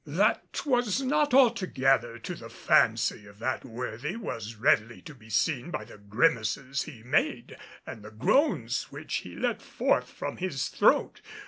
That 'twas not altogether to the fancy of that worthy was readily to be seen by the grimaces he made and the groans which he let forth from his throat.